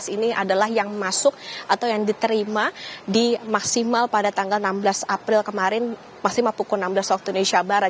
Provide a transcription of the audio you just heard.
ini adalah yang masuk atau yang diterima di maksimal pada tanggal enam belas april kemarin maksimal pukul enam belas waktu indonesia barat